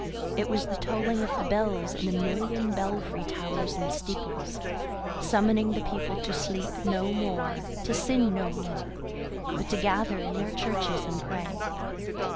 It was the tolling of the bells in a million belfry towers and steeples, summoning the people to sleep no more, to sin no more, but to gather in their churches and pray.